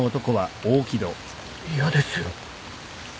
嫌ですよ。